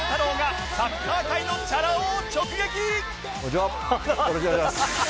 よろしくお願いします。